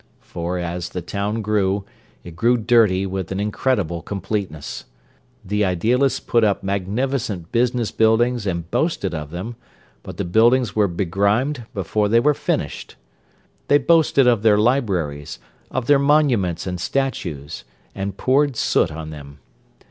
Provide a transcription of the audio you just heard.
For, as the town grew, it grew dirty with an incredible completeness. The idealists put up magnificent business buildings and boasted of them, but the buildings were begrimed before they were finished. They boasted of their libraries, of their monuments and statues; and poured soot on them.